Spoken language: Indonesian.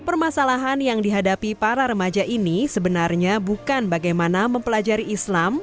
permasalahan yang dihadapi para remaja ini sebenarnya bukan bagaimana mempelajari islam